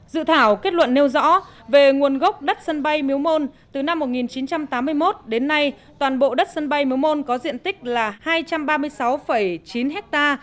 dự thảo kết luận nêu rõ về nguồn gốc đất sân bay miếu môn từ năm một nghìn chín trăm tám mươi một đến nay toàn bộ đất sân bay miếu môn có diện tích là hai trăm ba mươi sáu chín ha